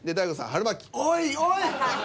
おいおい。